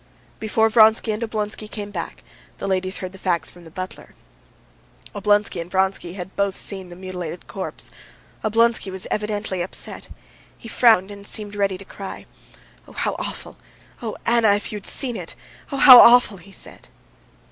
Before Vronsky and Oblonsky came back the ladies heard the facts from the butler. Oblonsky and Vronsky had both seen the mutilated corpse. Oblonsky was evidently upset. He frowned and seemed ready to cry. "Ah, how awful! Ah, Anna, if you had seen it! Ah, how awful!" he said.